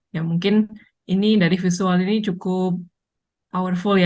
ya mungkin ini dari visual ini cukup powerful ya